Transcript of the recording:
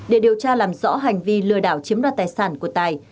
để điều tra làm rõ hành vi lừa đảo chiếm đoạt tài sản của tài